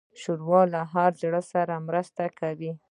ښوروا له هر زړه سره مرسته کوي.